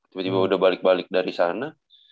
tiba tiba udah balik balik dari sana